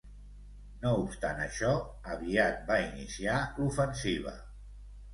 No obstant això, aviat va iniciar l'ofensiva.